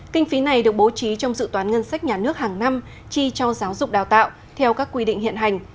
kinh phí này được bố trí trong dự toán ngân sách nhà nước hàng năm chi cho giáo dục đào tạo theo các quy định hiện hành